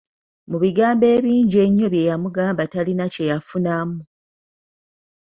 Mu bigambo ebingi ennyo bye yamugamba talina kyeyafunamu.